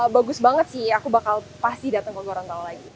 bagus banget sih aku bakal pasti datang ke gorontalo lagi